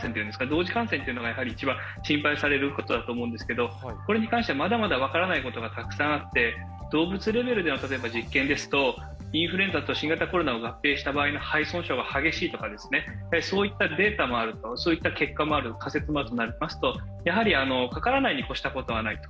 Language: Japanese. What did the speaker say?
同時感染というのが一番心配されることだと思うんですけどこれに関してはまだまだ分からないことがたくさんあって動物レベルの実験ですとインフルエンザと新型コロナの合併症だと肺損傷が激しいとかそういったデータもあるとそういった結果も仮説もあるとなるとかからないに越したことはないと。